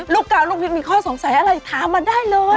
ลูกกาพลิกมีข้อสงสัยอะไรถามมาได้เลย